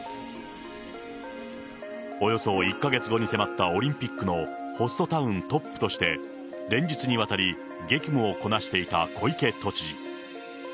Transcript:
およそ１か月後に迫ったオリンピックのホストタウントップとして、連日にわたり、激務をこなしていた小池都知事。